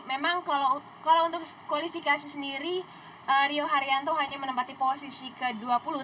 memang kalau untuk kualifikasi sendiri rio haryanto hanya menempati posisi ke dua puluh